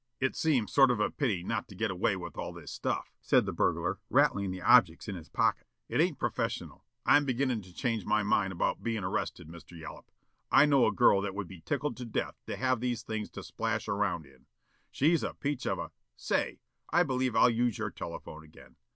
"It seems sort of a pity not to get away with all this stuff," said the burglar, rattling the objects in his pocket. "It ain't professional. I'm beginnin' to change my mind about bein' arrested, Mr. Yollop: I know a girl that would be tickled to death to have these things to splash around in. She's a peach of a say, I believe I'll use your telephone again.